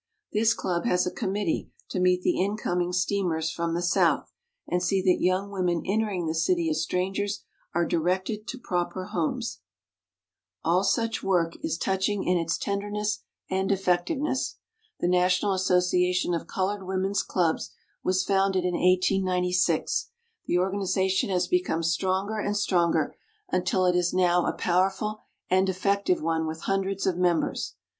This club has a committee to meet the incoming steamers from the South and see that young women entering the city as strangers are directed to proper homes." All such work 12 WOMEN OF ACHIEVEMENT is touching in its tenderness and effective ness. The National Association of Colored Women's Clubs was founded in 1896. The organization has become stronger and stronger until it is now a powerful and effective one with hundreds of members.